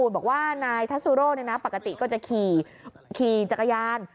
บอกว่านายทัสซูโร่ปกติก็จะขี่จักรยาน